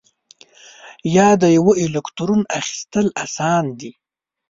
یا د یوه الکترون اخیستل آسان دي؟